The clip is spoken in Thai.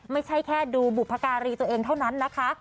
ไม่ใช่แค่ดูบุพการีตัวเองเท่านั้นนะคะ